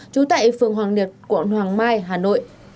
trú tại phường hoàng niệt quận hoàng mai hà nội